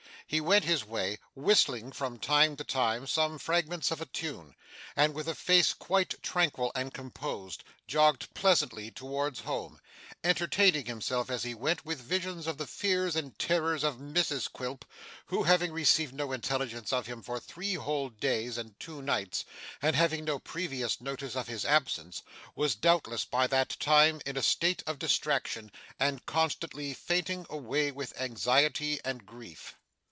He went his way, whistling from time to time some fragments of a tune; and with a face quite tranquil and composed, jogged pleasantly towards home; entertaining himself as he went with visions of the fears and terrors of Mrs Quilp, who, having received no intelligence of him for three whole days and two nights, and having had no previous notice of his absence, was doubtless by that time in a state of distraction, and constantly fainting away with anxiety and grief.